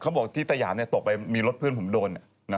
เขาบอกที่ตะหยาบตกไปมีรถเพื่อนผมโดน